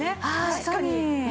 確かに。